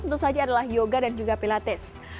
tentu saja adalah yoga dan juga pilates